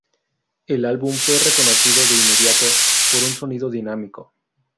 El álbum fue reconocido de inmediato por un sonido dinámico.